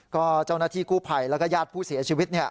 ก็เจ้าหน้าที่กู้ภัยแล้วก็ญาติผู้เสียชีวิตเนี่ย